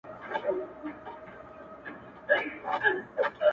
زخمي زړگی چي ستا د سترگو په کونجو کي بند دی,